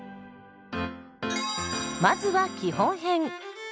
まずは基本編。